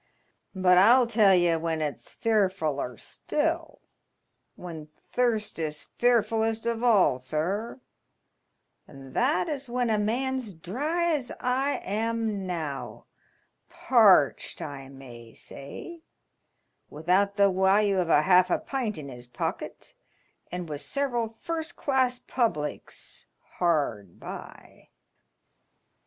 But I'll tell ye when it's fearfuUer still — when thirst is fearfullest of all, sir — and that is when a man's dry as I am now, parched, I may say, without the walue of half a pint in his pocket, and with several first class publics hard by."